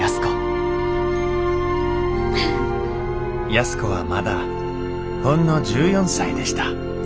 安子はまだほんの１４歳でした。